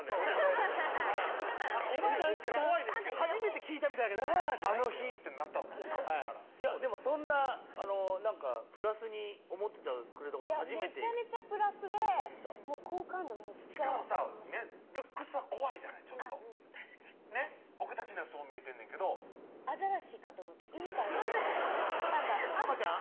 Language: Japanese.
いたからねあんたいたよ初めて聞いたみたいに「わぁ」じゃないよ「あの日」ってなったんおかしいからでもそんななんかプラスに思ってくれてたことめちゃめちゃプラスで好感度めっちゃしかもさルックスは怖いじゃないちょっとねっ僕たちにはそう見えてんねんけどアザラシかと思って海から出てきたタマちゃん？